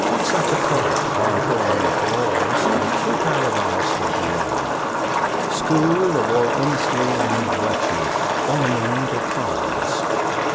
Such a court Brantôme calls the "true paradise of the world, school of all honesty and virtue, ornament of France."